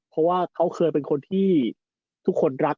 เพราะว่าเขาเคยเป็นคนที่ทุกคนรัก